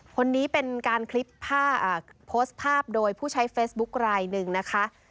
คนนี้เป็นการคลิปโพสต์ภาพโดยผู้ใช้เฟซบุ๊คลายหนึ่งนะคะ